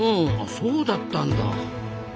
そうだったんだ。